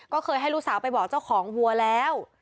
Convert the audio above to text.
ก็เคยให้ลูกสาวไปบอกเจ้าของวัวแล้ว